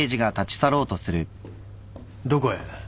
どこへ？